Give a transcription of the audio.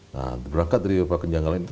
nah berangkat dari berupa kejanggalan itu